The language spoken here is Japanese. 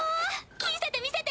見せて見せて！